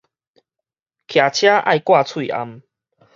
騎車愛掛喙罨